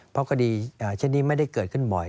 เพราะคดีเช่นนี้ไม่ได้เกิดขึ้นบ่อย